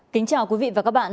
kính chào quý vị và các bạn